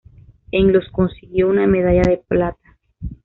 En los consiguió una medalla de plata.